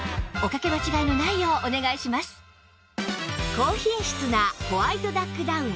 高品質なホワイトダックダウン